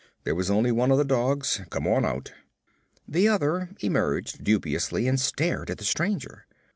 There was only one of the dogs. Come on out.' The other emerged dubiously and stared at the stranger.